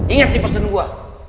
ingat di pesen gue